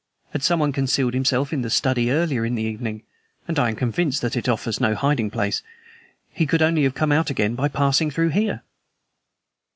Had someone concealed himself in the study earlier in the evening and I am convinced that it offers no hiding place he could only have come out again by passing through here."